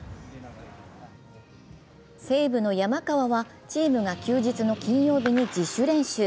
西武の山川はチームが休日の金曜日に自主練習。